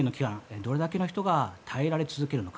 どれだけの人が耐え続けられるのか。